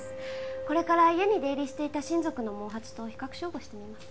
これから家に出入りしていた親族の毛髪と比較照合してみます。